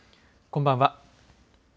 こんばんは。